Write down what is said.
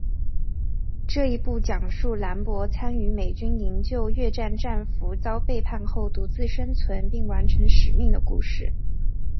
这一部讲述兰博参与美军营救越战战俘遭背叛后独自生存并完成使命的故事。